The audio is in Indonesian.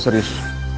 lo mau dikuisi